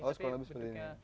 oh sekolah lebih seperti ini